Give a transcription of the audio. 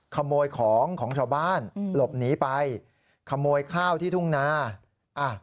ขโมยของของชาวบ้านหลบหนีไปขโมยข้าวที่ทุ่งนาอ่ะ